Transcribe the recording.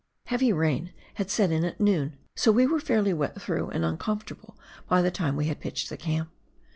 Heavy rain had set in at noon, so we were fairly wet through and uncomfortable by the time we had pitched the camp.